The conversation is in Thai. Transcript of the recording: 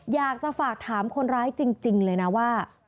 อยากจะฝากถามคนร้ายจริงเลยนะว่า